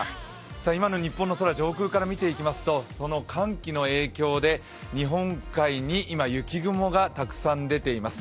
今の日本の空、上空から見ていきますと寒気の影響で日本海に今、雪雲がたくさん出ています。